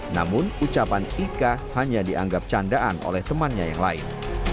namun ucapan ika hanya dianggap candaan oleh temannya yang lain